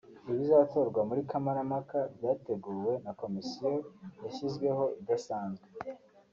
Ibizatorwa muri kamarampaka byateguwe na komisiyo yashyizweho idasanzwe